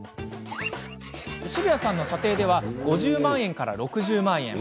渋谷さんの査定では５０万円６０万円。